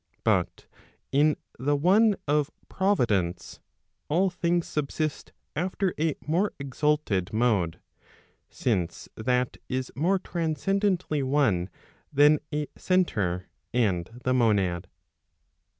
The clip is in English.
But in the one of Providence, all things subsist after a more exalted mode, since that is more transcendently one than a centre and the monad.